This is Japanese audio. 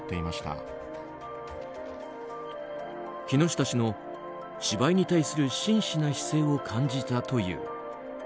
木下氏の芝居に対する真摯な姿勢を感じたという。